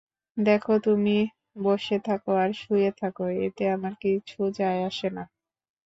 দেখো তুমি বসে থাকো আর শুয়ে থাকো, এতে আমার কিছু যায় আসে না।